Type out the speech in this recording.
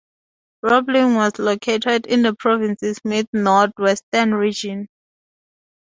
Roblin was located in the province's mid-northwestern region.